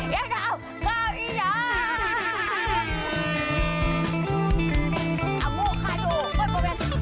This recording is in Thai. ยายเด่าก่อนอีกหรอก